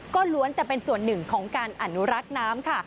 ก็ล้วนแต่เป็นส่วนหนึ่งของการอนุรักษ์น้ำค่ะ